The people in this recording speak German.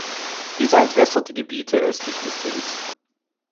Dieser entwässert die Gebiete östlich des Sees.